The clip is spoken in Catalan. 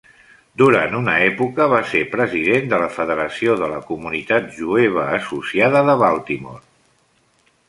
Durant una època, va ser president de la Federació de la Comunitat Jueva Associada de Baltimore.